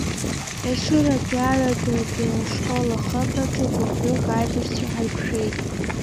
Ешыратәи Аҩадатәи ашкол ахыбраҿы гәыԥҩык аибашьцәа ҳаиқәшәеит.